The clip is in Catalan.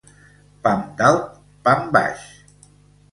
Pam dalt, pam baix.